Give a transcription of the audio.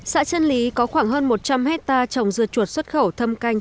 xã trân lý có khoảng hơn một trăm linh hectare trồng dưa chuột xuất khẩu thâm canh